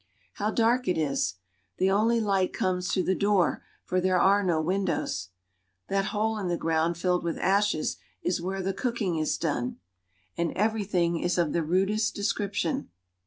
How dark it is ! The only light comes through the door, for there are no windows. That hole in the ground filled with ashes is where the cooking is done, and every ALGERIA. UENKkAL VIEW Rhing is of the rudest ■description.